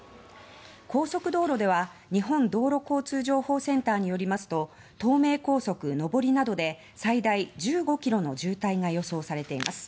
高速道路では日本道路交通情報センターによりますと東名高速上りなどで最大１５ｋｍの渋滞が予想されています。